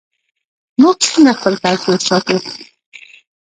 موږ څنګه خپل کلتور ساتو؟